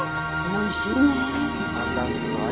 おいしい。